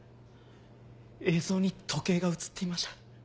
映像に時計が映っていました。